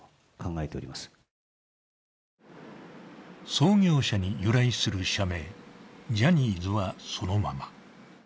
創業者に由来する社名、ジャニーズはそのまま。